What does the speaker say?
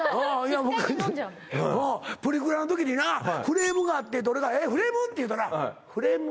昔プリクラのときになフレームがあって俺が「えっフレーム？」って言うたら「フレーム？